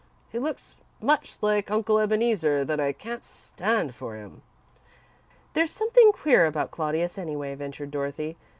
He looks so much like Uncle Ebeneezer that I can't stand for him." "There's something queer about Claudius, anyway," ventured Dorothy.